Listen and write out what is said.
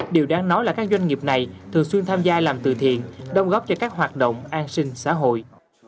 điều đáng nói là các doanh nghiệp này thường xuyên tham gia làm từ thiện đồng góp cho các hoạt động an sinh xã hội